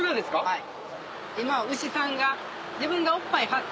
はい。